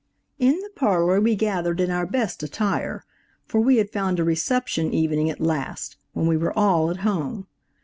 IN the parlor we gathered in our best attire, for we had found a reception evening at last, when we were all at home.